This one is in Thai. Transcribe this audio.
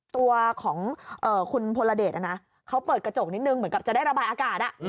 ตัวของคุณพลเดชนะเขาเปิดกระจกนิดนึงเหมือนกับจะได้ระบายอากาศ